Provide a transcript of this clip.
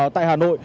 tại hà nội